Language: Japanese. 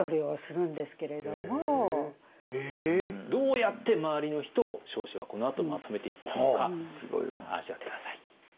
どうやって周りの人を彰子はこのあとまとめていったのか味わって下さい。